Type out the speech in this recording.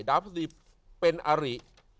ดาวพระราชสมดีเป็นอาริ